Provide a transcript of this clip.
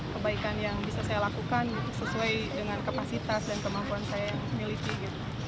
kebaikan yang bisa saya lakukan sesuai dengan kapasitas dan kemampuan saya miliki gitu